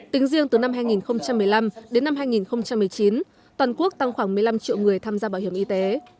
tính riêng từ năm hai nghìn một mươi năm đến năm hai nghìn một mươi chín toàn quốc tăng khoảng một mươi năm triệu người tham gia bảo hiểm y tế